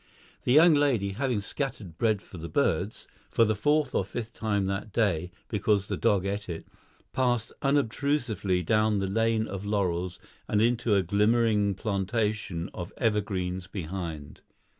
The young lady, having scattered bread for the birds (for the fourth or fifth time that day, because the dog ate it), passed unobtrusively down the lane of laurels and into a glimmering plantation of evergreens behind.